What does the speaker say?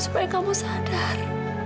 supaya kamu sadar